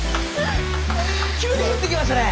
急に降ってきましたね！